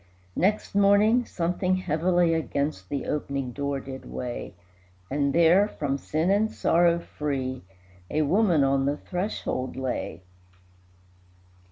Next morning something heavily Against the opening door did weigh, And there, from sin and sorrow free, A woman on the threshold lay.